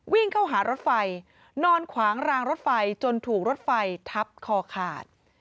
วิ่งเข้าหารถไฟนอนขวางรางรถไฟจนถูกรถไฟทับคอขาด